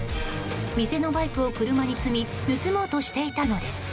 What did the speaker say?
店のバイクを車に積み盗もうとしていたのです。